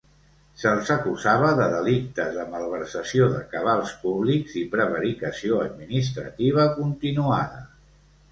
Se'ls acusava de delictes de malversació de cabals públics i prevaricació administrativa continuada.